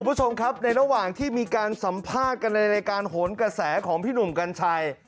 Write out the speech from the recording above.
คุณผู้ชมครับในระหว่างที่มีการสัมภาษณ์กันในรายการโหนกระแสของพี่หนุ่มกัญชัย